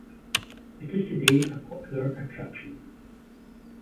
It is today a popular attraction.